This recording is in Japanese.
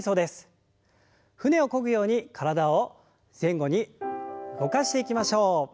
舟をこぐように体を前後に動かしていきましょう。